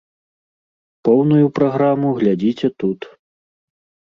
Поўную праграму глядзіце тут.